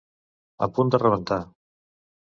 A punt de rebentar.